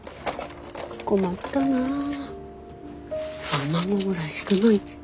困ったな卵ぐらいしかないか。